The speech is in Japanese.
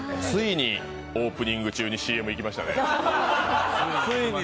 ついにオープニング中にＣＭいきましたね。